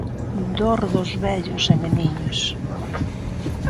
Dor dos vellos e meniños.